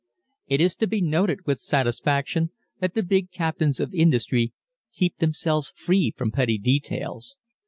_" It is to be noted with satisfaction that the big captains of industry keep themselves free from petty details.